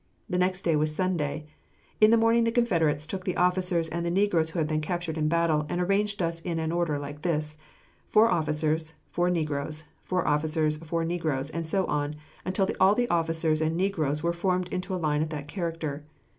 The next day was Sunday. In the morning the Confederates took the officers and the negroes who had been captured in battle and arranged us in an order like this: four officers, four negroes, four officers, four negroes, and so on, until all the officers and negroes were formed into a line of that character.